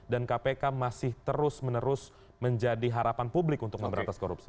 dan kpk masih terus menerus menjadi harapan publik untuk memberatas korupsi